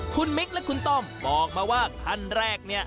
คุณมิคและคุณต้อมบอกมาว่าขั้นแรกเนี่ย